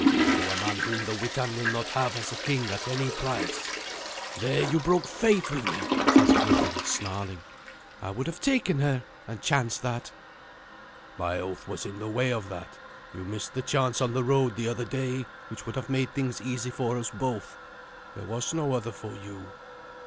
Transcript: "To a man whom the Witan will not have as a king at any price." "There you broke faith with me," says Griffin, snarling. "I would have taken her, and chanced that." "My oath was in the way of that. You missed the chance on the road the other day, which would have made things easy for us both. There was no other for you."